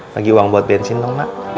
bagi uang buat bensin dong pak